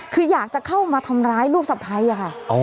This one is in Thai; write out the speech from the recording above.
คืออยากจะเข้ามาทำร้ายลูกสะพ้ายอะค่ะ